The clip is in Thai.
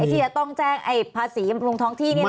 ที่จะต้องแจ้งภาษีบำรุงท้องที่